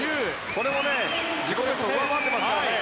これも自己ベストを上回っています。